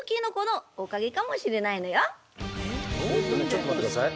ちょっと待って下さい。